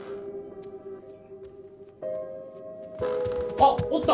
あっおった。